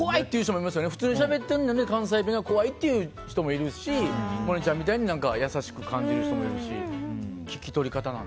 普通にしゃべってるのに関西弁は怖いっていう人もいるし萌音ちゃんみたいに優しく感じる人もいるし。